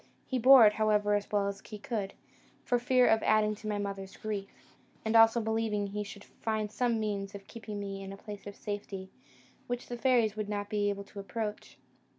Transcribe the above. He bore it, however, as well as he could, for fear of adding to my mother's grief; and also believing he should find some means of keeping me in a place of safety, which the fairies would not be able to approach.